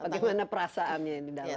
bagaimana perasaannya di dalam